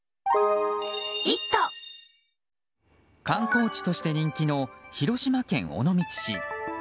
観光地として人気の広島県尾道市。